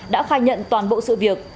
đã khai nhận toàn bộ sự việc